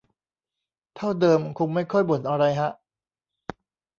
เท่าเดิมคงไม่ค่อยบ่นอะไรฮะ